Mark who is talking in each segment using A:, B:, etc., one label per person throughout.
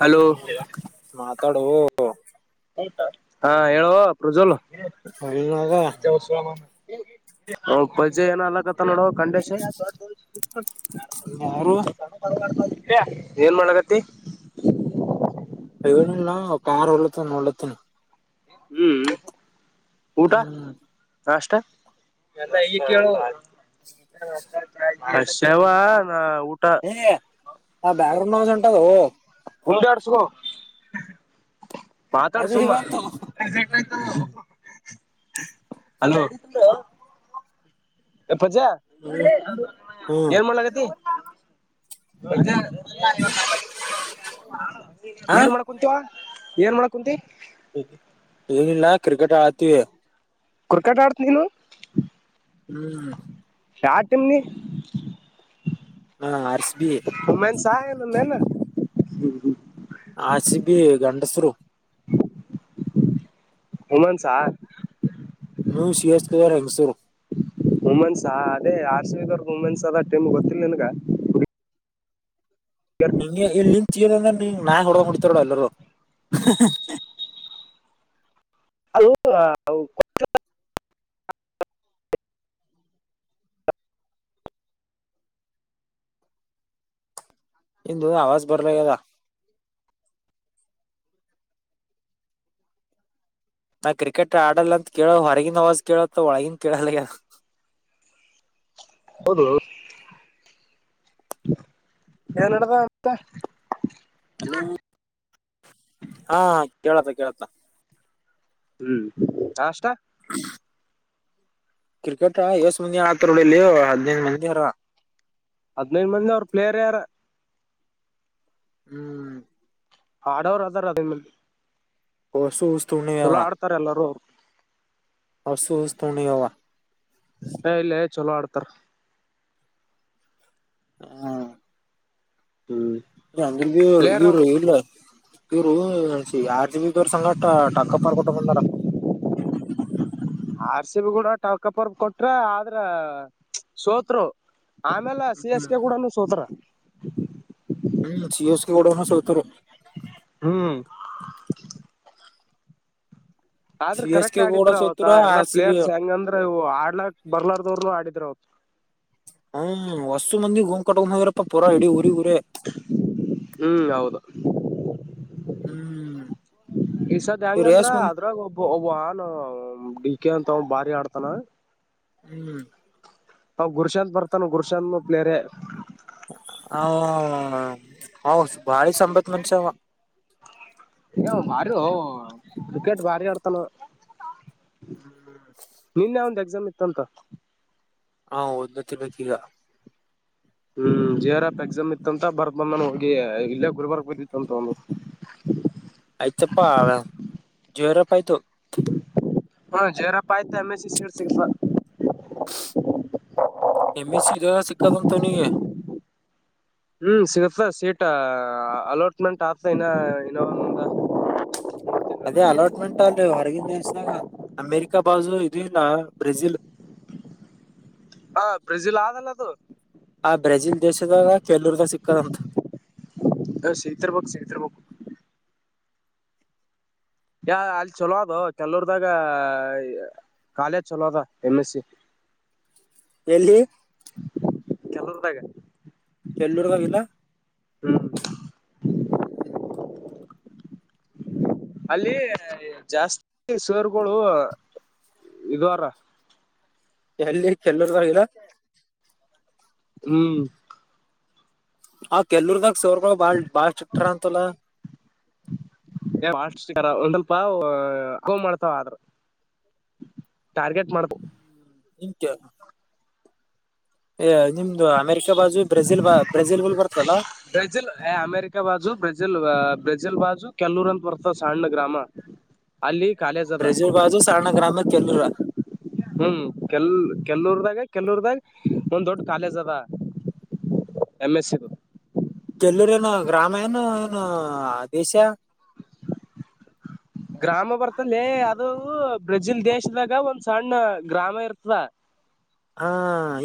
A: Hello
B: ತಡ
A: ಹಾ ಹೇಳುವ ಪ್ರಜ್ವಲ್
B: ಹೇಳಿನಾಗ
A: ಪಜೆ ಏನ ಅಲ್ಲಕತ್ತ ನೋಡಂಡೇಶ ದಡ್ಾನ
B: ಯಾರು
A: ದ ಏನ್ ಮಾಡ್ಲಕತಿ
B: ನಲ್ಲ ಕಾರ್ ಒಳ್ಳತನ ಒಡ್ಳ್ಳತನ
A: ಹ್ಮ್ ಊಟ
B: ಹ್ಮ್
A: ಅಷ್ಟ ಹಷವ
B: ಏ ಆ ಬ್ಯಾಕ್ ಗ್ರೌಂಡ್ ನ ಉಂಟದು
A: ಮುಂಡಾಡ್ಸಕೋ ಪಾತಾಡ್
B: ಅದು
A: ಸುಮ್ಮ
B: ಇವಂತು
A: ಎ ಅಲೋ ಎಪ್ಪಜ
B: ಹ್ಮ್
A: ಏನ್ ಮಾಡ್ಲಾಗತಿ
B: ಹ
A: ಏನ್ ಮಾಡ ಕುಂತವಾ ಏನ್ ಮಾಡ ಕುಂತೀ
B: ಇ ನಾ ಕ್ರಿಕೆಟ್ ಆತ
A: ಕ್ರಿಕೆಟ್ ಆಡ್ತ ನೀನು
B: ಹ್ಮ್
A: ಯಟಮಿ
B: ಹ ಆರ್ ಸಿ ಬಿ
A: ಮೆನ್ ಸಹಲ್ಲ ಮೆ
B: ಆಸ ಬಿಿ ಗಂಂಡಸರು
A: ಉಮನ್ ಸಾರ್
B: ನೀವು ಸಿ ಎಸ್ಕವರ್ ಹೆಂಗ್ಸರು
A: ವುಮೆನ್ಸ್ ಅದೇ ಆರ್ಸ್ರರೇದವರ್ ವುಮೆನ್ಸ್ ಅದ ಟೀಮ್ ಗೊತ್ತಿಲ್ಲ ನಿನ್ಗ
B: ಹಂಗೆ ಇಲ್ಲಿ ನಿನ್ ತಿಗದ ಅಂದನ್ ನಾ ಹೊಡಗಂಗ ಹೊಡತಾರಡ ಎಲ್ಲರೂ
A: ಅಲೋ
B: ಇಂದು ಅವಾಜ್ ಬರ್ಲದ ನಾ ಕ್ರಿಕೆಟ್ ಆಡಲ್ಲ ಅಂತ ಕೇಳ ಹೊರಗಿನ ಅವವಾಜ್ ಕೇಳತ್ತ ಒಳಗನ್ ಕೇಳಲ್ಲ
A: [inaudible] ಹೌದು ಏನ್ದ
B: ಅಲೋ ಹಾ ಕೇಳತ್ತ ಕೇಳತ
A: ಹ್ಮ್ ಅಷ್ಟ
B: [inaudible] ಕ್ರಿಕೆಟಾ ಎಷ್ಟ ಮಂದಿ ಆತ್ರ ನೋಡಿಲ್ಲಿ ಹದ್ಿನೈದು ಮಂದಿಾರ
A: ಹದ್ನೈದು ಮಂದಿ ಅವ್ರ ಪ್ಲೇಯರ್ ಯಾರ
B: ಹ್ಮ್
A: ಹಾಡವರು ಅದಾರ ಅದ ಮೇಲೆ.
B: ಹೊಸುಹುಸ್.
A: ಚಲೋ ಆಡ್ತಾರೆ ಎಲ್ಲರೂ ಅವ್ರು.
B: ಅಸುಸ್ತುನೆಯವಾ.
A: ಹ ಇಲ್ಲೆ ಚಲೋ ಆಡ್ತಾರ.
B: ಹಾ
A: ಹ್ಮ್
B: ಅಜಲ್ವರು
A: ಪ್ಲೇಯರ್
B: ಇವರು
A: ಅವ್ರು
B: ಇಲ್ಲ. ಇವರು ಯ ಜಿ ಬಿ ದೊರ್ ಸಂಗ ಟಕ್ಕ ಪರ್ ಕೊಟ್ಟು ಬಂದಾರ.
A: ಆರ್ ಸಿ ಬಿ ಕೂಡ ಟಾಕಪರ್ ಕೊಟ್ರ ಆದ್ರೆ ಸೋತ್ರು. ಆಮೇಲೆ ಸಿ ಎಸ್ ಕೆ ಕೂಡನುೂ ಸೋತ್ರು.
B: ಸಿ ಎಸ್ ಕೆ ಕೊಡನು ಸೋತರೆ.
A: ಹ್ಮ್ ಆದ್ರ
B: ಸಿ ಎಸ್
A: ಕರೆಕ್ಟ್
B: ಕೆ ಗೂಡ
A: ಆಡಿದ್ರ ಅವತ್ತ
B: ಸೋತರು
A: ಎಲ್ಲ
B: ಆರ್ ಸಿ ಬಿ
A: ಪ್ಲೇರ್ಸ್ ಹೆಂಗಂದ್ರೆ ಇವು ಆಡ್ಲಾಕ್ ಬರ್ಲಾರ್ನು ಆಡಿದ್ರ ಅವತ್.
B: ಹ್ಮ್ ವಸ್ತು ಮಂದಿ ಕ [unintelligible] ಹೋಗರಪ್ಪ ಪೂರಾ ಇಡಿ ಉರಿಗ್ ಉರೆ.
A: ಈಸದ
B: ಇವ್ರ
A: ಹೆಂಗಂದ್ರ
B: ಎಸ್ ಮಂದಿ
A: ಅದ್ರಾಗ ಒಬ್ಬ ವಾನು ಬಿ. ಕೆ ಅಂತ ಅವ ಬಾರಿ ಆಡ್ತಾನ.
B: ಹ್ಮ್
A: ಅವ ಗುರುಶಾಂತ್ ಬರ್ತಾನ ಗುರುಶಾಂತ್ ಪ್ಲೇರೆ.
B: ಹೌ ಬಾಳಿ ಸಂಬತ್ ಮನುಷ್ಯ ಅವ.
A: ಈಗ ಭಾರಿ ಓ ಕ್ರಿಕೆಟ್ ಭಾರಿ ಆಡ್ತನವ. ನಿನ್ನೆ ಒಂದ್ ಎಕ್ಸಾಮ್ ಇತ್ತುಂತ.
B: ಹಾ ಓದ್ಬೇಕ್ ಅತಿ ಗತಿಗ.
A: ಹ್ಮ್ ಜಿ ಅರ್ ಎಪ್ ಎಕ್ಸಮ್ ಇತ್ತಂತ ಬರ್ದ್ ಬಂದಾನ. ಎ ಇಲ್ಲೇ ಗುಲ್ಬರ್ಗ ಬಿದ್ದಿತ್ತಂತ ಅವ್ನದು.
B: ಜಿ ಆರ್ ಎಫ್ ಆಯ್ತು.
A: ಹಾ ಜಿ ಆರ್ ಎಫ್ ಆಯ್ತು ಎಂ ಎಸ್ ಸಿ ಸೀಟ್ ಸಿಕ್ತದ.
B: ಎಂ ಎಸ್ ಸಿ ದು ಸಿಕ್ಕದಂತ ಅವನಿಗೆ.
A: ಹ್ಮ್ ಸಿಗುತ್ತ ಸೀಟ ಅಲೋಟ್ಮೆಂಟ್ [unintelligible] ಟ್ ಆತು ಇನ್ನ ಇನ ಒಂದ.
B: ಅದೇ ಅಲೋಟ್ಮೆಂಟ್ ಅಲ್ಲಿ ಹೊರಗಿನ ದೇಶದಾಗ ಅಮೇರಿಕಾ ಬಾಜು ಇದು ಇಲ್ಲ ಬ್ರೆಜಿಲ್.
A: ಹ ಬ್ರೆಜಿಲ್ ಆಗಲ್ಲ ಅದು.
B: ಆ ಬ್ರೆಜಿಲ್ ದೇಶದಾಗ ಕೆಲವರಿಗೆ ಸಿಕ್ಕದಂತ.
A: ಹ ಸಿಕ್ತಿರಬೇಕ್ ಸಿಗ್ತಿರ್ಬೇಕು. ಯ ಅಲ್ಲಿ ಚಲೋ ಅದು ಕೆಲವರದಾಗ. ಕಾಲೇಜ್ ಚಲೋ ಅದ ಎಂ ಎಸ್ ಸಿ.
B: ಎಲ್ಲಿ
A: ಕೆಲುವ್ರದಾಗ.
B: ಕೆಲ್ಲುರ್ದಾಗಿಲ್ಲ.
A: ಅಲ್ಲಿ ಜಾಸ್ತಿ ಸೇರ್ಗಳು ಇದು ಅರ.
B: ಎಲ್ಲಿ ಕೆಲ್ಲರ್ಗೂ ಆಗಿಲ್ಲ.
A: ಹ್ಮ್
B: ಆ ಕೆಲ್ಲರ್ದಾಗ ಸರ್ಗಳು ಬಾಳ್ ಬಾಳ್ ಚಿಟ್ಟಾರ ಅಂತಲ್ಲ.
A: ಒಂದ್ ಸ್ವಲ್ಪ ಹ [unintelligible] ಮಾಡ್ತಾವ ಆದ್ರು. ಟಾರ್ಗೆಟ್ ಮಾಡತ
B: ಇಂಕ್ಯ. ನಿಮ್ದು ಅಮೇರಿಕ ಬಾಜು ಬ್ರೆಜಿಲ್ ಬ ಬ್ರೆಜಿಲ್ ಲ್ ಬರ್ತಲ್ಲಾ.
A: ಬ್ರೆಜಿಲ್ ಅಮೇರಿಕಾ ಬಾಜು ಬ್ರೆಜಿಲ್. ಬ್ರಜಿಲ್ ಬಾಜು ಕೆಲ್ಲೂರ್ ಅಂತ ಬರ್ತಾವ ಸಣ್ಣ ಗ್ರಾಮ. ಅಲ್ಲಿ ಕಾಲೇಜ್ ಅದ
B: [unintelligible]
A: ಹ್ಮ್ ಕೆಲ್ ಕೆಲ್ಲೊರ್ದಾಗ ಕೆಲ್ಲೊರ್ದಾಗ ಒಂದು ದೊಡ್ಡ ಕಾಲೇಜ್ ಅದ ಏಮ್ಎಸಿದು
B: ಎಲ್ಲೂರು ಏನು ಗ್ರಾಮ ಏನು ದೇಶ
A: ಗ್ರಾಮ ಬರ್ತಡ್ಲೆ ಅದು ಬ್ರೆಜಿಲ್ ದೇಶ ದಾಗ ಒಂದ್ ಸಣ್ಣ ಗ್ರಾಮ ಇರ್ತದ
B: ಹಾ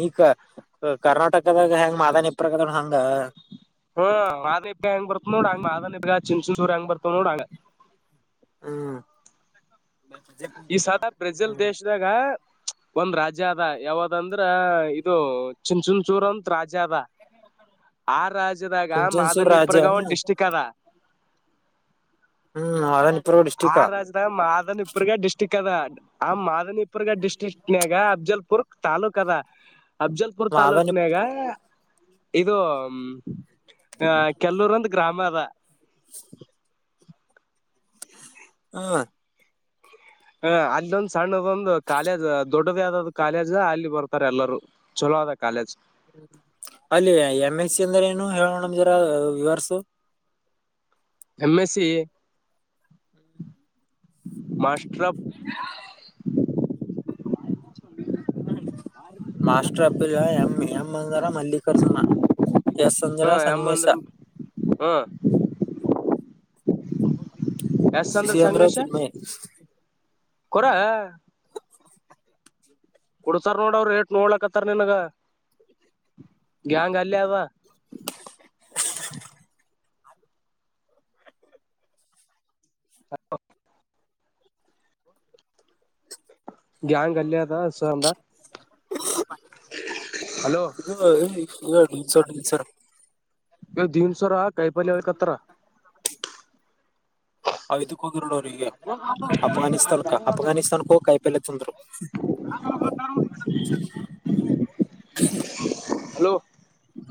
B: ಈಗ ಕರ್ನಾಟಕದಾಗ ಹೆಂಗ ಮಾದನಿಪರಗದ ಹಂಗ
A: ಹ್ಮ [unintelligible] ಹೆಂಗ್ ಬರ್ತವ ನೋಡ ಹಂಗ [unintelligible] ಚಿನ್ಚಿನ್ಚೂರ್ ಹೆಂಗ್ ಬರ್ತವ ನೋಡಂಗ
B: ಹ್ಮ್
A: ಈ ಸದ ಬ್ರೆಜಿಲ್
B: ಹ್ಮ್
A: ದೇಶದಾಗ ಒಂದ್ ರಾಜ್ಯ ಅದ ಯಾವ್ದಂದ್ರ ಇದು ಚಿನ್ಚುನ್ಚೂರ್ ಅಂತ ರಾಜ್ಯ ರಾಜ್ಯ ಅದ ಆ ರಾಜ್ಯದಾಗ
B: ಚುಂಚನಸೂರು ರಾಜ್ಯ
A: ಮಾದನಿಪುರಗ ಒಂದು
B: ಹ್ಮ್
A: ಡಿಸ್ಟ್ರಿಕ್ ಅದ
B: ಹ್ಮ್ [unintelligible]
A: ಆ ರಾಜದ ಮಾದನಿಪುರ್ಗ ಡಿಸ್ಟ್ರಿಕ್ ಕದಾ ಆ ಮಾದನಿಪುರ್ಗ ಡಿಸಟ್ರಿಕ್ಟ್ ನಾಗ ಅಫಜಲ್ಪುರ್ ತಾಲೂಕ ಅದಾ ಅಫಜಲ್ಪುರ್
B: ಮಾದನಿ
A: ತಾಲೂಕ್ನಾಗ ಇದು ಕೆಲೂರ್ ಒಂದ ಗ್ರಾಮ ಆದ
B: ಹಾ
A: ಹ ಅಲೊಂದು ಸಣ್ಣದೊಂದು ಕಾಲೇಜ್ ದೊಡ್ಡ ದೊಡದೇ ಆದ್ ಕಾಲೇಜ್ ಅಲ್ಲಿ ಬರ್ತಾರೆ ಎಲ್ಲರೂ ಚಲೋ ಆದ ಕಾಲೇಜ್
B: ಅಲ್ಲಿ ಎಂ ಎಸ್ ಸಿ ಅಂದ್ರ ಏನು ಹೇಳೋಣ ನೋಡು ವಿವರ್ಸು
A: M S C master of
B: [unintelligible] master of M M ಅಂದಾರ ಮಲ್ಲಿಕಾರ್ಜುನ ಎಸ್
A: ಹ
B: ಅಂದರ
A: ಎಮ್
B: ಸಂಗಮೇಶ
A: ಅಂದ್ರ ಹ ಎಸ್ ಅಂದ್ರ
B: ಸೀ ಅಂದರೆ
A: ಸಂಗಮೇಶ
B: ಚಿನ್ಯೈ
A: ಕೊರ ಕೋಡ್ತಾರ ನೋಡ ಅವರು ಏಟು ನೋಡ್ಲಕತ್ತರ್ ನಿನ್ಗ ಗ್ಯಾಂಗ್ ಅಲ್ಲೇ ಅದ
B: [unintelligible]
A: [unintelligible]
B: [unintelligible]
A: ಗ್ಯಾಂಗ್ ಅಲ್ಲೇ ಅದ ಸ ಅಂದ
B: [unintelligible]
A: ಹಲೋ
B: ಇದು [unintelligible]
A: [unintelligible] ಕಾಯಿಪಲ್ಯ ಹೋಯ ಕತರ
B: [unintelligible] ಅಫ್ಘಾನಿಸ್ತಾನ್ಕ ಹೋಗಿ ಕಾಯಿಪಲ್ಯೆ ತಂದರು
A: [inaudible] ಹಲೋ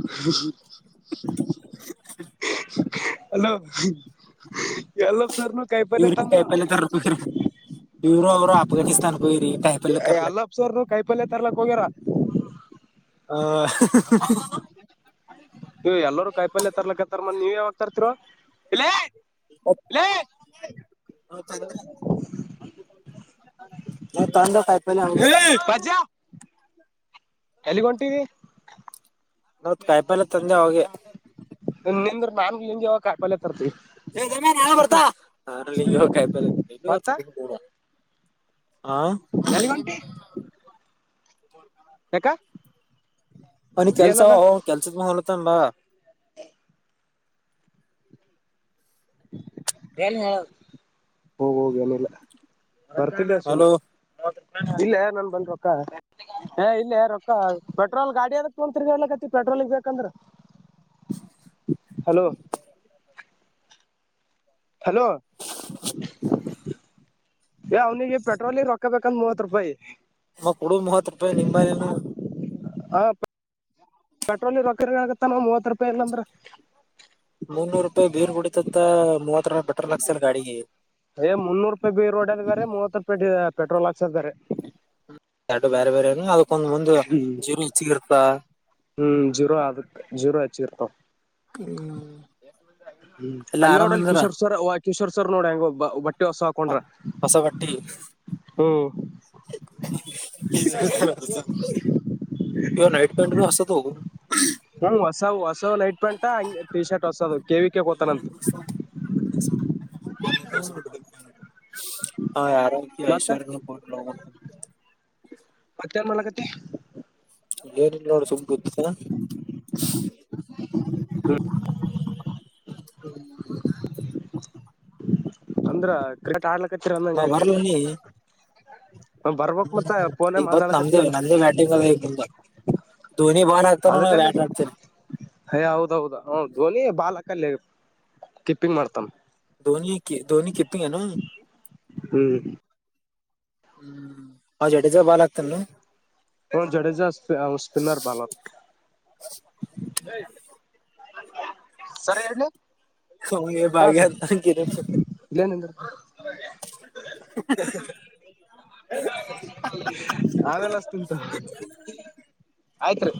A: [unintelligible] ಹಲೋ [unintelligible]
B: ಇವ್ರ ಕಾಯಿಪಲ್ಯ ತರಕೆ ಹೊಂಟರ ಇವರು ಅವರು ಅಫ್ಘಾನಿಸ್ತಾನ
A: ಯಲಪ್ಪ ಸರ್ ಕಾಯಿಪಲ್ಯ ತರ್ಲಕ್ ಹೋಗ್ಯಾರ
B: ಹ [unintelligible]
A: ಏ ಎಲ್ಲರೂ ಕಾಯಿಪಲ್ಯ ತರ್ಲಕ್ಕಂತಾರ ಮತ್ತೆ ನೀವು ಯಾವಾಗ್ತರ್ತಿರೊ
B: [unintelligible] ತಂದೆ ಕಾಯಿಪಲ್ಯ ಆವಾಗಲೇ
A: ಎಲ್ಲಿಗೆ ಹೊಂಟಿದಿ
B: ಕಾಯಿಪಲ್ಯ ತಂದೆ ಆವಾಗೆ
A: ನೀದ್ರು ನಾನು ನಿಗ್ಯ ಹೋಗಿ ಕಾಯಿಪಲ್ಯ ತರ್ತಿವಿ
B: ಬರ್ತಾಲ್ಲಿಯ ಇಡ
A: ಮತ್ತ
B: ಆ
A: ಎಲ್ಲಿಗ್ ಹೊಂಟಿ ಯಾಕ
B: ಅ ಕೆಲ್ಸ
A: ಏನದ
B: ಕೆಲ್ಸ ಮಾಡ ತ್ತಂಬ [unintelligible] [inaudible]
A: ಹೋಗೋಗ ಅನಿಲ್ಲ ಬರ್ತಿದ್ದೆ ಸು
B: ಹಲೋ
A: ಹ ಇಲ್ಲ ನನ್ ಬಂದರು ಅಕ್ಕ ಹ ಇಲ್ಲೇ ರೊಕ್ಕ ಪೆಟ್ರೋಲ್ ಗಾಡಿ ಅದಕ್ ಕುಂತತ್ ಎಲ್ಲಕತಿ ಪೆಟ್ರೋಲ್ಗ್ ಬೇಕಂದ್ರ ಹಲೋ
B: [inaudible]
A: ಹಲೋ ಏ ಅವ್ನಿಗೆ ಪೆಟ್ರೋಲ್ ರೊಕ್ಕಬೇಕಂದ ಮೂ [unintelligible]
B: ಮಮ್ಮ ಕೊಡು ಮೂವತ್ ರೂಪಾಯಿ ನಿಂಬಾಲನು
A: ಹ ಪೆಟ್ರೋಲ್ ರೊಕ ಆಗತ್ತಾನ ಮೂವತ್ ರೂಪಾಯಿ ಇಲ್ಲಂದ್ರ
B: ಮುನ್ನೂರು ರೂಪಾಯಿ ಬೀರ್ ಕುಡಿತತ್ತ ಮೂವತ್ತ ಪೆಟ್ರೋಲ್ ಆಕ್ಸಲ್ ಗಾಡಿಗೆ
A: ಏ ಮುನ್ನೂರು ರೂಪಾಯಿ ಬಿ ರೋಡ್ ಅ ಬ್ರೀ ಮೂವತ್ ರೂಪಾಯಿ ಪೆಟ್ರೋಲ್ ಆಾ
B: ಚಟ ಬೇರೆ ಬೇರೆಏನು ಅದಕ್ಕೊಂದ್ ಮುಂದು
A: ಹ್ಮ್
B: ಜೀರು ಹೆಚ್ಚಿಗ ಇರ್ತಾ
A: ಹ್ಮ್ ಜೀರೋ ಅದು ಜೀರೋ ಆಚ್ಚರ್ತ
B: ಹ್ಮ್
A: ಹ್ಮ್
B: ಎಲ್ಲ
A: ಅಲ್ಲಿ
B: ಆರಾಮ್
A: ನೋಡಲ್ಲಿ
B: ಅಂದಾರ
A: ಕಿಶೋರ್ ಸರ್ ಕಿಶೋರ್ ಸವರ್ ನೋಡಂಗ ಬಟ್ಟ ಟ್ಟ ಹೊಸ ಹಾಕೊಂಡ್ರ ಹ್ಮ
B: [inaudible] ಇ ನೈಟ್ ಪ್ಯಾಂಟ್ ಬ ಅತೋಗ
A: ಹ್ಮ ಹೊಸ ಹೊಸವ್ ನೈಟ್ ಪ್ಯಾಂಟ್ ಹಂಗ ಟಿ ಶರ್ಟ್ ಹೊಸದು ಕೇವಿಿಕ ಕತಾನಂತ
B: ಕಸಟ್ಟ ಹಾ ಯರೋಗ
A: ಮತ್ತ
B: ಐಶ್ವರ್ಯೂರೋಗ
A: ಮತ್ತೇನ್ ಮಾಡಕ್ಕತ್ತಿ
B: [unintelligible] ರಿಲ್ಲ ನೋಡು ಸು ಗತ್ತಸ
A: [inaudible] ಅಂದ್ರ ಕ್ರಿಕೆಟ್ ಆಗ್ಲ
B: ನ ಮರಲ ನೀ
A: ಬರ್ಬಕ್ ಮತ್ತ ಪೋನ
B: ಈಗ ಬತ್ ನಮ್ದೇ
A: ಮಾತಾಡ್ಕತ್ತನಲ್ಲ
B: ನಂದೇ ಬ್ಯಾಟಿಂಗ್ ಅದ ಈಗ ಮುಂದ ಧೋನಿ ಬಾಲ್ ಹಾಕ್ತಾನೋ ನಾ
A: ಅದಕಲ್ಲೇ
B: ಬ್ಯಾಟ್ ಹಾಕ್ತೇನಿ
A: ಯ ಹೌದೌದ ಹ ಧ್ವನಿ ಬಾಲ್ ಹಕಲ್ಲ ಕೀಪಿಂಗ್ ಮಾಡ್ತನ್
B: ಧೋನಿ ಧೋನಿ ಕಪಿಂಗ್ ನ
A: ಹ್ಮ್
B: ಹ್ಮ್ ಜಡೇಜಾ ಬಾಲ್ ಆಗ್ತಲ್ನು
A: ಹ ಜಡೇಜಾ ಸ್ ಸ್ಪಿನರ್ ಭಲ್ ಸರಿ ಹೇಳಿ
B: ಸಯ ಭಾಗ್ಯಂತ ಕಿರಣ ಸಕ
A: ಇಲ್ಲೇ ನಿಂದ್ರಿ
B: [inaudible]
A: ಆಮೇಲೆ ಹಚ್ತಿಂತ ಆಯ್ತ್ರಿ